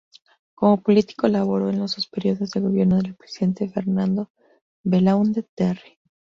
Como político laboró en los dos períodos de gobierno del presidente Fernando Belaúnde Terry.